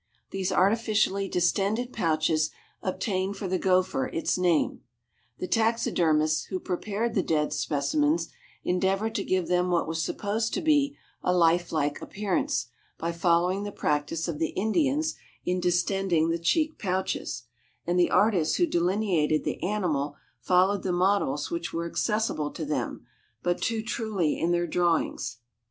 These artificially distended pouches obtained for the gopher its name; the taxidermists who prepared the dead specimens endeavored to give them what was supposed to be a life like appearance by following the practice of the Indians in distending the cheek pouches, and the artists who delineated the animal followed the models which were accessible to them, but too truly in their drawings.